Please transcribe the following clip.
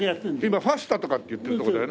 今ファスタとかっていってるとこだよね？